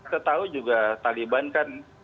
kita tahu juga taliban kan